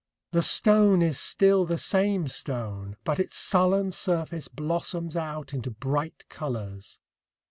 The stone is still the same stone ; but its sullen surface blossoms out into bright colours.